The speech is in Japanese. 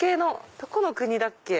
どこの国だっけ？